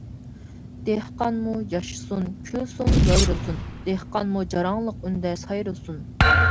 دېھقانمۇ ياشىسۇن، كۈلسۇن يايرىسۇن، دېھقانمۇ جاراڭلىق ئۈندە سايرىسۇن.